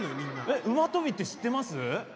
えっ馬跳びって知ってます？